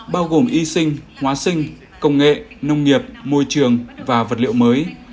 bao gồm y sinh hóa sinh công nghệ nông nghiệp môi trường và vật liệu mới